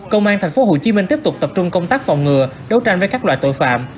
công an tp hcm tiếp tục tập trung công tác phòng ngừa đấu tranh với các loại tội phạm